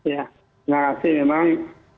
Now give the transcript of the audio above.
ya terima kasih memang